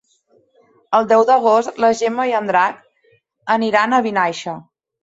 El deu d'agost na Gemma i en Drac iran a Vinaixa.